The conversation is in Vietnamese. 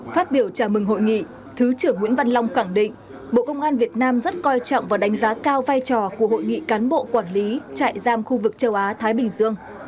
phát biểu chào mừng hội nghị thứ trưởng nguyễn văn long khẳng định bộ công an việt nam rất coi trọng và đánh giá cao vai trò của hội nghị cán bộ quản lý trại giam khu vực châu á thái bình dương